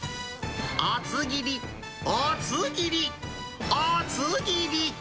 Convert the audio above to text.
厚切り、厚切り、厚切り！